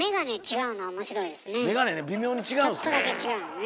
ちょっとだけ違うのね。